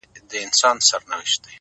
• د سترگو د ملا خاوند دی؛